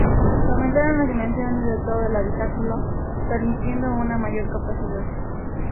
Se aumentaron las dimensiones de todo el habitáculo, permitiendo una mayor capacidad.